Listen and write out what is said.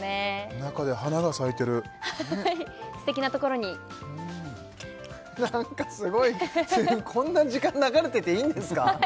中で花が咲いてるはいすてきなところになんかすごいこんな時間流れてていいんですか？